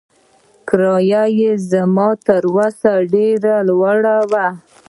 کرايه يې زما تر وس ډېره لوړه وه.